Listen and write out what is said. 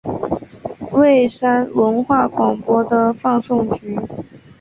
蔚山文化广播的放送局。